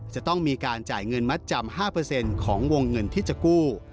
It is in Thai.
จะต้องมีการจ่ายเงินมัดจำ๕ของวงเงินที่จะกู้